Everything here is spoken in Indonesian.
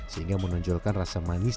sehingga menonjolkan rasa manis